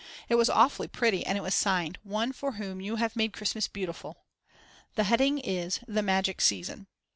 It was awfully pretty, and it was signed: One for whom you have made Christmas beautiful! The heading is: "The Magic Season."